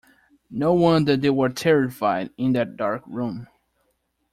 No wonder they were terrified in that dark room.